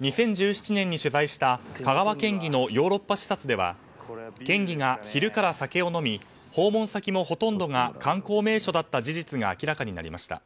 ２０１７年に取材した香川県議のヨーロッパ視察では県議が昼から酒を飲み訪問先もほとんどが観光名所だった事実が明らかになりました。